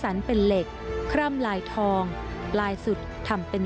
ทรงพระกรุณาปรดกล้าปรดกระหม่อม